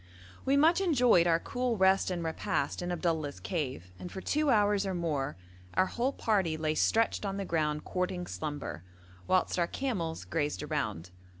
We much enjoyed our cool rest and repast in Abdullah's cave, and for two hours or more our whole party lay stretched on the ground courting slumber, whilst our camels grazed around.